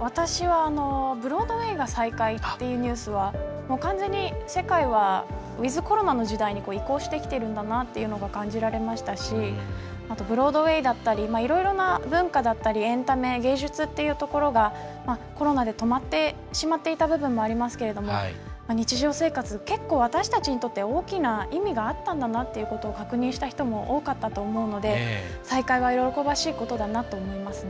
私はブロードウェイが再開っていうニュースは完全に世界はウィズコロナの時代に移行してきてるんだなというのが感じられましたしブロードウェイだったりいろいろな文化だったりエンタメ、芸術というところがコロナで止まってしまっていた部分もありますけれども日常生活、結構私たちにとって大きな意味があったんだなと確認した人も多かったと思うので再開は喜ばしいことだなと思いますね。